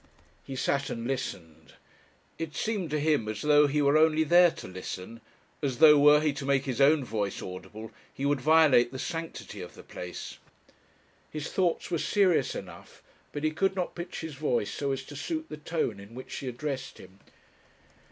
He sat and listened. It seemed to him as though he were only there to listen; as though, were he to make his own voice audible, he would violate the sanctity of the place. His thoughts were serious enough, but he could not pitch his voice so as to suit the tone in which she addressed him.